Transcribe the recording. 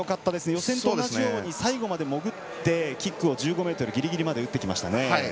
予選と同じように最後まで潜ってキックを１５ｍぎりぎりまで打ってきました。